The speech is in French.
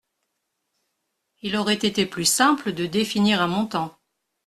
Il aurait été plus simple de définir un montant.